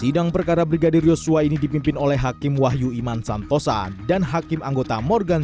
sidang perkara brigadir yosua ini dipimpin oleh hakim wahyu iman santosa dan hakim anggota morgan